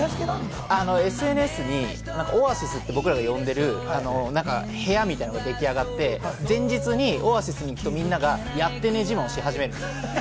ＳＮＳにオアシスって僕らが呼んでる部屋みたいなのが出来上がって、前日にオアシスに行くとみんながやってねぇ自慢をし始めるんです。